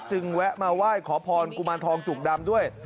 แวะมาไหว้ขอพรกุมารทองจุกดำด้วย